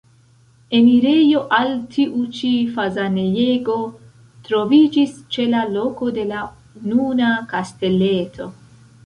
Enirejo al tiu ĉi fazanejego troviĝis ĉe la loko de la nuna kasteleto.